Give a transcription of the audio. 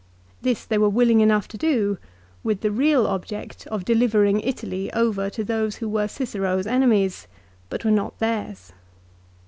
This they were willing enough to do, with the real object of delivering Italy over to those who were Cicero's enemies but were not theirs.